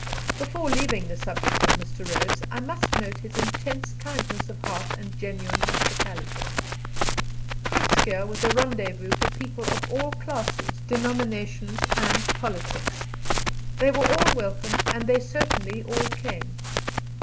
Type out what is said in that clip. Before leaving the subject of Mr. Rhodes, I must note his intense kindness of heart and genuine hospitality. Groot Schuurr was a rendezvous for people of all classes, denominations, and politics; they were all welcome, and they certainly all came.